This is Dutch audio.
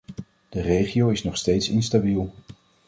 De regio is nog steeds instabiel.